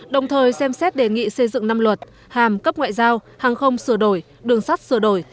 đồng thời xem xét đề nghị xây dựng năm luật hàm cấp ngoại giao hàng không sửa đổi đường sắt sửa đổi